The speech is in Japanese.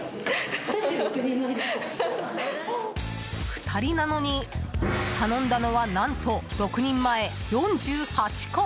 ２人なのに頼んだのは何と、６人前４８個。